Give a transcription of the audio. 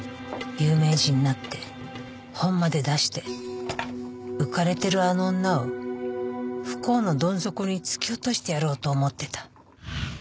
有名人になって本まで出して浮かれてるあの女を不幸のどん底に突き落としてやろうと思ってた。